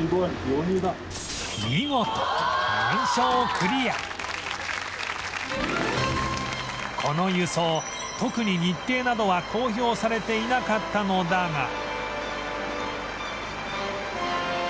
見事この輸送特に日程などは公表されていなかったのだが